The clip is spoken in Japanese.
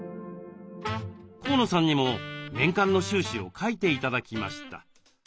河野さんにも年間の収支を書いて頂きました。